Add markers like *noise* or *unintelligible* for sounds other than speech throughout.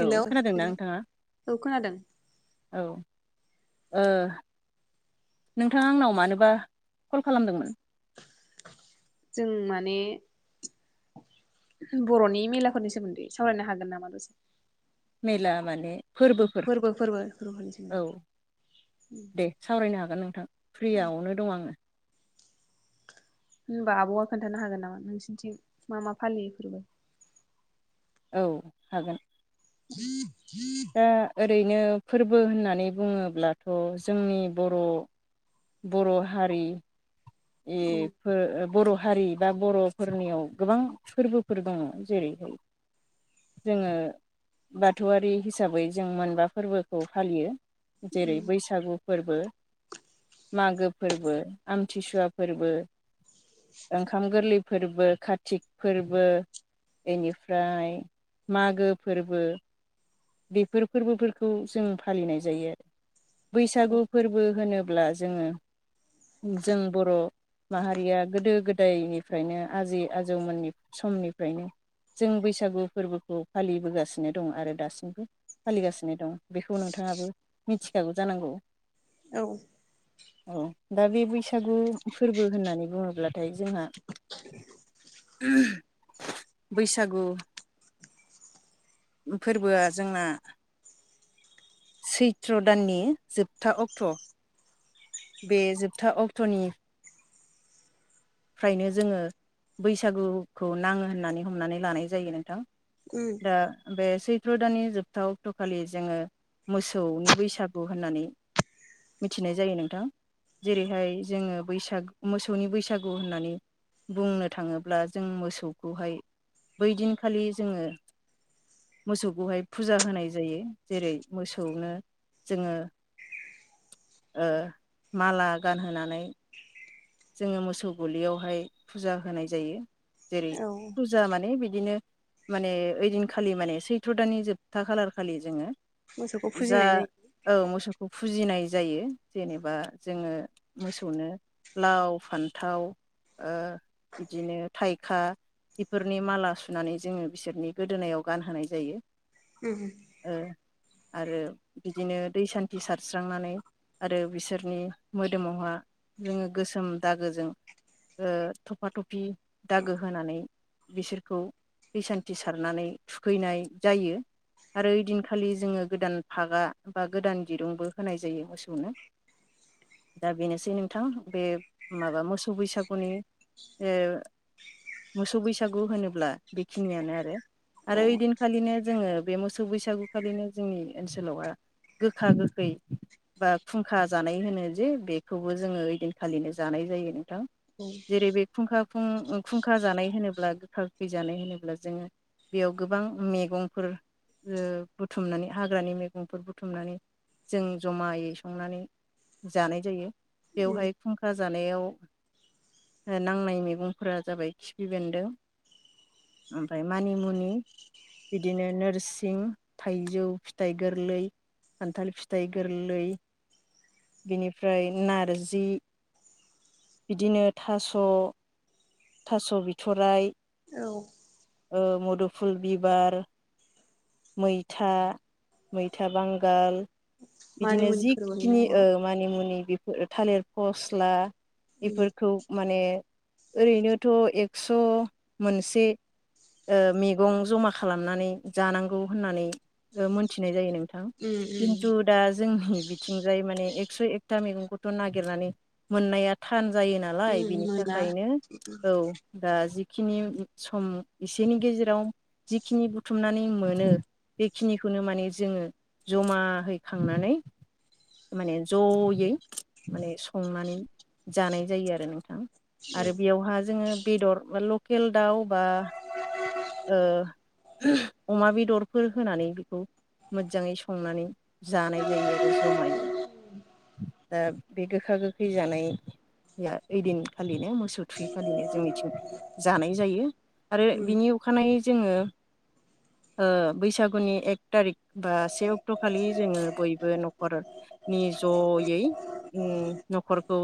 Hello खोनादोंना नोंथाङा औ खोनादों। औ ओ नोंथाङा आंनाव मानोबा कल खालामदोंमोन? जों माने बर'नि मेलाफोरनि सोमोन्दै सावरायनो हागोन नामा दसे? मेला माने औ फोर्बोफोर फोरबो फोरबो फोरबोफोरनि औ सोमोन्दै दे सावरायनो हागोन नोंथां फ्रियावनो दं आङो। होनबा आब'आ खोन्थानो हागोन नामा नोंसिन्थिं मा मा फालियो फोर्बो? औ हागोन। *inaudible* ओ ओथ ओरैनो फोर्बो होननानै बुङोब्लाथ' जोंनि बर' बर' हारि उम एफोर ओ बर' हारि बा बर'फोरनियाव गोबां फोर्बोफोर दङ। जेरैहाय जोङो बाथौआरि हिसाबै जों मोनबा फोर्बोखौ फालियो। जेरै उम बैसागु फोर्बो, मागो फोर्बो, आमथिसुवा फोर्बो, ओंखाम गोरलै फोर्बो, कार्टिक फोर्बो इनिफ्राय मागो फोर्बो बेफोर फोर्बोफोरखौ जों फालिनाय जायो आरो। बैसागु फोर्बो होनो ब्ला जोङो जों बर' माहारिया गोदो गो दैनिफ्रायनो आजै आजौमोननि समनिफ्रायनो जों बैसागु फोरबोखौ फालिबोगासिनो दं आरो दासिम। फालिगासिनो दं। बेखौ नोंथाङाबो मिथिखागौ जानांगौ औ। औ दा बे बैसागु फोर्बो होननानै बुङोब्लाथाय जोंहा बैसागु फोर्बोआ जोंना सैथ्र' दाननि जोबथा अक्ट'। बे जोबथा अक्ट'नि फ्रायनो जोङो बैसागुखौ नाङो होननानै हमनानै लानाय जायो नोंथां। उम दा बे सै सैथ्र' दाननि जोबथा अक्ट'खालि जोङो मोसौनि बैसागु होननानै मिथिनाय जायो नोंथां। जेरैहाय जोङो बैसागु मोसौनि बैसागु बैसागु होननानै बुंनो थाङोब्ला जों मोसौखौहाय बै दिनखालि जोङो मोसौखौहाय फुजा होनाय जायो। जेरै मोसौनो जोङो ओ माला गानहोनानै जोङो मोसौ गलियावहाय फुजा होनाय जायो। जेरै औ फुजा माने बिदिनो माने ओइदिनखालि माने सैथ्र' दानि जोबथा खालार खालि जोङो मोसौखौ जा फुजिनाय जायो औ मोसौखौ फुजिनाय जायो। जेनेबा जोङो मोसौनो लाव, फान्थाव ओ बिदिनो थाइखा बेफोरनि माला सुनानै जोङो बिसोरनि गोदोनायाव गानहोनाय जायो। उम। ओ आरो बिदिनो दै सान्थि सारस्रांनानै आरो बिसोरनि मोदोमावहा जोङो गोसोम दागोजों ओ थफा थफि दागो होनानै बिसोरखौ दै सान्थि सारनानै थुखैनाय जायो आरो ओइदिनखालि जोङो गोदान फागा बा गोदान दिरुंबो होनाय जायो मोसौनो दा बेनोसै नोंथां। बे माबा मोसौ बैसागुनि ओ मोसौ बैसागु होनोब्ला बेखिनियानो आरो औ ओइदिनखालिनो जोङो बे मोसौ बैसागुखालिनो जोंनि ओनसोलावहा गोखा गोखै बा खुंखा जानाय होनो जे बेखौबो जोङो ओइदिन खा लिनो जानाय जायो नोंथां औ जेरै बे खुंखा फुं खुंखा जानाय होनोब्ला गोखा गोखै जानाय होनोब्ला जोङो बेयाव गोबां मेगंफोर बुथुमनानै हाग्रानि मैगंफोर बुथुमनानै जों जमायै संनानै जानाय जायो। उम बेवाहाय ख्रा जानायाव नांनाय मैगंफोरा जाबाय खिफि बेन्दों ओमफ्राय मानिमुनि बिदिनो नोरसिं थाइजौ फिथाइ गोरलै खान्थाल फिथाइ गोरलै बिनिफ्राय नारजि बिदिनो थास' थास' बिथ'राय औ मदुफुल बिबार मैथा मैथा बांगाल मानि बिदिनो मुनि फोरबो होनो जिखिनि ओ आब' मानिमुनि बे थालेर फस्ला उम बेफोरखौ माने ओरैनोथ' एक्स' मोनसे ओ मैगं जमा खालामनानै जानांगौ गौ होननानै मोनथिनाय जायो नों थां उम किन्तु उम दा जोंनि बिथिंजाय मानानि एकस' एकथा मैगंखौथ' नागिरनानै मोननाया थान। जायो नालाय उम बिनि मोना थाखायनो औ दा खिनि सम एसेनि गेजेराव जिखिनि बुथुमनानै मोन नो बेखिनिखौनो माने जोङो जमाहैखांनानै माने जयै माने संनानै जानाय जायो आरो नोंथां। आरो बेयावहा जोङो बेदर लकेल दाउ बा ओ अमा बेदर बेदरफोर होनानै बेखौ मोजाङै संनानै जानाय जायो आरो जमायै ओ बे गोखा गोखै जानाया ओइदिनखालिनो मोसौ थुयैखालिनो जोंनिथिं जानाय जायो आरो उम बिनि अखानायै जोङो ओ बैसागुनि एक थारिक बा से अक्ट' खालि जोङो बयबो न'खरनि जयै ओम न'खरखौ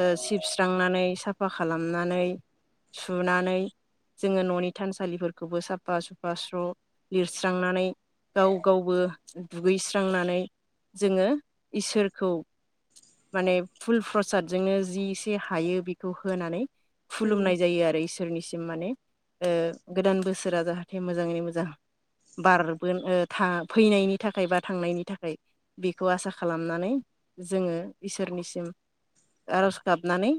ओ सिबस्रांनानै साफा खालामनानै सुनानै जोङो न'नि थानसालिफोरखौबो साफा सुफा स्र' लिरस्रांनानै गाव गावबो दुगैस्र स्रांनानै जोङो इसोरखौ माने फुल प्रसादजोंनो जि इसे हायो बेखौ होनानै उम खुलुमनाय जायो आरो इस सोरनिसिम माने गोदान बोसोरा जाहाथे मोजाङै मोजां बारबोनो थाफैनायनि थाखाय बा थांनायनि थाखाय बेखौ आसा खालामनानै जोङो इसोरनिसिम आर'ज गाबनानै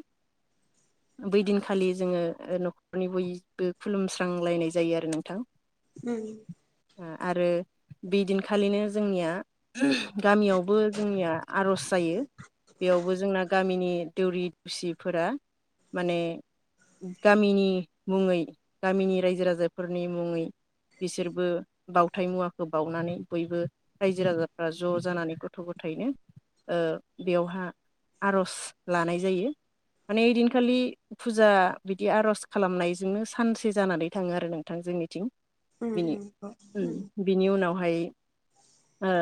बै दिनखालि जोङो न'खरनि बयबो खुलुमस्रांलायनाय जायो आरो नोंथां। उम आरो बे दिनखालिनो जोंनिया गामियावबो जोंनिया आर'ज जायो बेयावबो जोंना गामिनि दौरि दौसिफोरा माने गामिनि मुङै गामिनि रायजो राजाफोरनि मुङै बिसोरबो बावथाय मुवाखौ बावनानै बोयबो रायजो राजाफ्रा ज' जानानै गथ' गथायनो ओ बेयावहा आर'ज लानाय जायो माने ओइदिनखालि फुजा बिदि आर'ज खालामनायजोंनो सानसे जानानै थाङो आरो नोंथां जोंनिथिं। उम बिनि उम औ उम ओम बिनि उनावहाय हो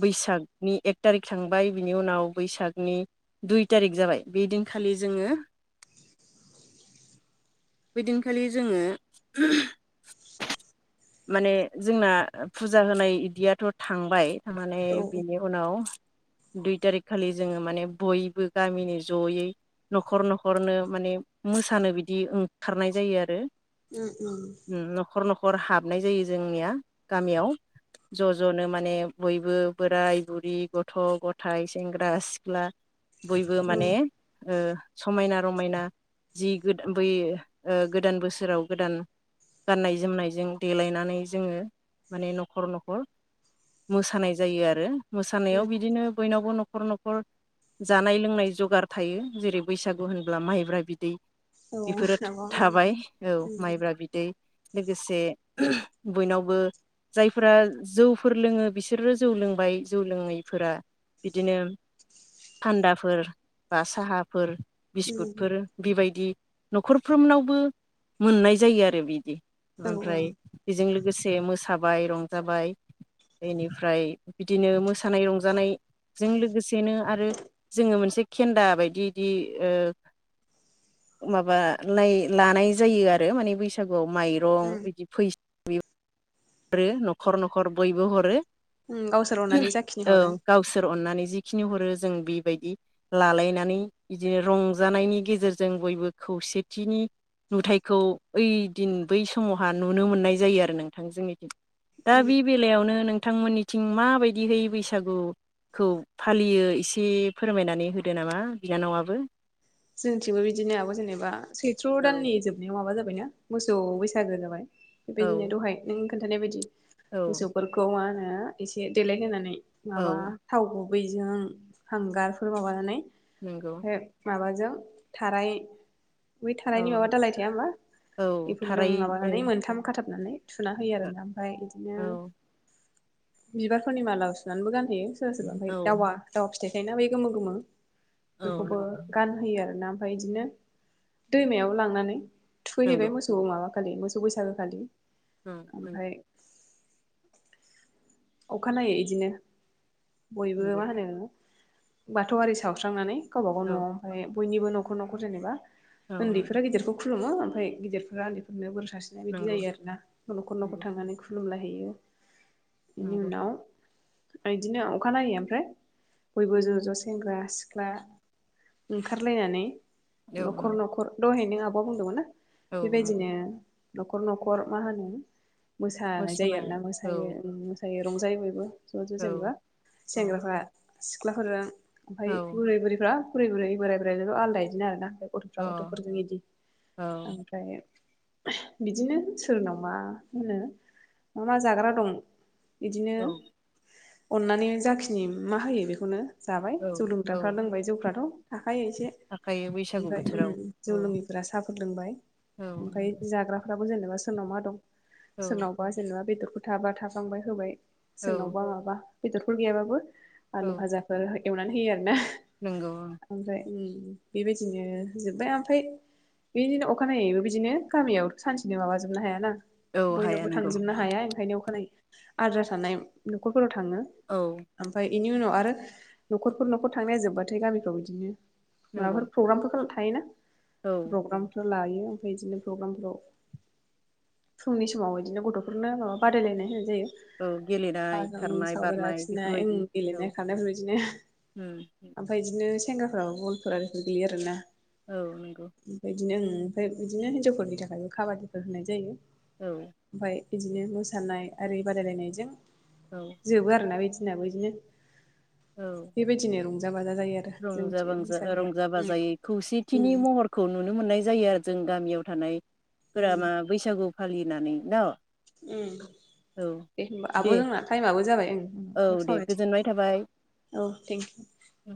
बैसागनि एक तारिख थांबाय बिनि उनाव बैसागनि दुइ तारिख जाबाय बे दिनखालि जोङो बेदिनखालि जोङो माने जोंना फुजा होनाय इदियाथ' थांबाय थांनानै औ उम बिनि उनाव दुइ थारिख खालि जोङो माने बयबो गामिनि जयै न'खर न'खरनो माने मोसानो बिदि ओंखारनाय जायो आरो। उम उम। हर हाबनाय जायो जोंनिया गामियाव ज' ज'नो माने बयबो बोराय बुरि गथ' गथाय सेंग्रा सिख्ला बयबो उम माने उम समायना रमायना जि ओ बै गोदान बोसोराव गोदान गाननाय जोमनायजों देलायनानै जोङो माने न'खर न'खर मोसानाय जायो आरो। मोसानायाव बिदिनो बोयनावबो न'खर न'खर जानाय लोंनाय जगार थायो जेरै बैसागु होनब्ला माइब्रा बिदै बेफोरो औ आब' उम थाबाय औ उम माइब्रा बिदै। लोगोसे बयनावबो जायफोरा जौफोर लोङो बिसोरो जौ लोंबाय जौ लोङैफोरा बिदिनो थान्दाफोर बा साहाफोर उम बिस्कुटफोर बेबायदि न'खरफ्रोमनावबो मोननाय जायो आरो बिदि। औ ओमफ्राय बेजों गोसे मोसाबाय रंजाबाय बेनिफ्राय बिदिनो मोसानाय रंजानाय जों लोगोसेनो आरो जोङो मोनसे केेन्दा बायदि बिदि माबा लाय लानाय जायो आरो माने बैसागु गुआव माइरं उम बिदि फै *unintelligible* हरो न'खर न'खर बयबो हरो उम गावसोर अननानै *unintelligible* जाखिनि औ हरो गावसोर अननानै जि खिनि हरो जों बेबायदि लालायनानै बिदिनो रंजानायनि गेजेरजों बयबो खौसेथिनि नुथायखौ ओइदिन बै समावहा नुनो मोननाय जायो आरो नोंथां जोंनि *unintelligible* दा उम बे बेलायावनो नों थांमोननिथिं माबायदिहै बैसागुखौ फालियो एसे फोरमायनानै होदो नामा बिनानावआबो जोंथिंबो बिदिनो आबौ जेनेबा सैथ्र' औ दाननि जोबनायाव माबा जाब *unintelligible* मोसौ बैसागो जाबाय बेदिनो औ दहाय नों खोन्थानाय बायदि औ मोसौफोरखौ मा होनो एसे देलायहोनानै औ माबा थावखौ बैजों हांगारफोर माबानानै नंगौ *inaudible* बे माबा जों थाराइ बै औ थाराइयनि माबा दालाय थाया होनबा औ बेफोरजों थारै माबानानै ओं मोनथाम खाथाब *unintelligible* थुना होयो आरोना ओमफ्राय बिदिनो औ बिबारफोरनि मालाबो सुनानैबो गान होयो सोरबा सोरबा औ आमफाय दावा दावा फिथाइ थायोना बै गोमो गोमो औ बेफोरखौबो नंगौ। *unintelligible* आरोना ओमफ्राय बिदिनो दैमायाव लांनानै थुखैहैबाय नंगौ मोसौ माबा खालि मोसौ बैसागो खालि औ नंगौ ओमफ्राय *inaudible* अखानायै इदिनो बयबो नंगौ मा होनो बाथौआरि सावस्रांनानै गावबा गाव औ न'वाहाय बयनिबो न'खर न'खर जेनेबा औ नंगौ उन्दैफोरा गिदिरखौ खुलुमो ओमफ्राय गिदिरफोरा ओन्दैफोरनो बोर सारसिनाय बिदि नंगौ जायो आरोना नखर नंगौ नखर थांनानै खुलुमलाय होयो बेनि नंगौ उनाव बिदिनो अखानायै ओमफ्राय बयबो ज' ज'सेंग्रा सिख्ला ओंखारलायनानै औ नखर नंगौ नखर दहाय नों आब'आ बुंदोंमोन ना? औ नंगौ बेबायदिनो नखर नखर मा होनो मोसानाय जायो आरोना मोसायो। जायो रंजायो बयबो। ज ज जेनबा औ औ सेंग्राफ्रा सिख्लाफोरा। औ ओमफाय बोराय बुरैफ्रा। बुरै बुरै बोराय बुरायल आलदा इदिनो आरोना अ गथफ्रा गथफोरजों इदि औ ओमफ्राय बिदिनो सोरनाव मा होनो मा मा जाग्रा दं बिदिनो औ अननानै जाखिनि मा होयो बेखौनो जाबाय औ जौ औ लोंग्राफ्रा लोंबाय जौफ्राथ थाखायो एसे थाखायो बैसागु ओमफ्राय बोथोराव जौ औ लोङिफोरा साहाफोर लोंबाय औ ओमफ्राय नंगौ जाग्राफ्रा जेनेबा सोरनाव मा दं। औ सोरनावबा जेनेबा बेदर थाबा थाफांबाय होबाय औ सोरनावबा माबा- बेदरखौ गैयाबाबो आलु फाजाखौनो है एवनानै होयो आर ना। नोंगौ। बेबायदिनो होजोब्बाय ओमफ्राय बिदिनो अखानायैबो बिदिनो गामियाव सानसेनो माबाजोबनो हायाना औ हाया बयनावबो नंगौ थांजोबनो हाया ओंखायनो *unintelligible* आद्रा साननाय न'खर फोराव थाङो औ आमफाय बेनि उनाव आरो न'खरफोर न'खर थांनाया जोब्बाथाय गामिफ्राव बिदिनो नंगौ माबाफोर प्रग्राम हायोना- औ प्रग्रामफोर लायो ओमफ्राय बिदिनो प्रग्रामफ्राव फुंनि समाव बिदिनो गथ'फोरनो माबा बादायलायनाय होनाय औ गेलेनाय जायो खारनाय सावगरि बारनाय आखिनाय बेफोरबायदि औ गेलेनाय खारनायफोरबायदिनो उम ओमफ्राय बिदिनो सेंग्राफ्राबो बलफोर बेफोर गेलेयो आरोना औ नंगौ। ओमफ्राय बिदिनो ओमफ्राय बिदिनो हिनजावफोरनि थाखायबो खाबादिफोर होनाय जायो। औ ओमफ्राय बिदिनो मोसानाय आरि बादायलायनाय जों औ जोबो आरोना बिदि जोंनाबो बिदिनो औ बेबायदिनो औ रंजा बाजा रंजा उम बाजायै खौसेथिनि उम महरखौ नुनो मोननाय जायो आरो जों गामियाव थानाय उम फोराबा बैसागु फालिनानै ना? उम दे होनबा आब' जोंना टाइमआबो जाबाय। औ दा दे गोजोननाय थाबाय। सावरायनौसै औ थेंक इउ। औ